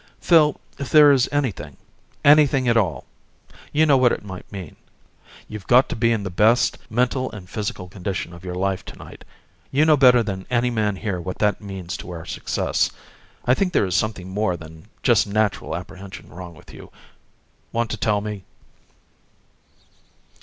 "Phil, if there is anything anything at all you know what it might mean. You've got to be in the best mental and physical condition of your life tonight. You know better than any man here what that means to our success. I think there is something more than just natural apprehension wrong with you. Want to tell me?"